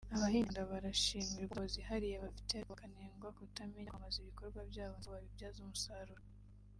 Abahanzi nyarwanda barashimirwa ku mpano zabo zihariye bafite ariko bakanengwa kutamenya kwamamaza ibikorwa byabo ndetse ngo babibyaze umusaruro